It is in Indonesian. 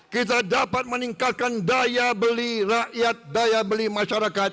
kita dapat meningkatkan daya beli rakyat daya beli masyarakat